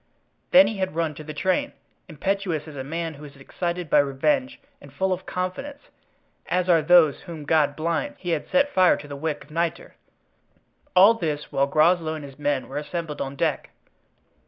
Then he had run to the train, impetuous as a man who is excited by revenge, and full of confidence, as are those whom God blinds, he had set fire to the wick of nitre. All this while Groslow and his men were assembled on deck.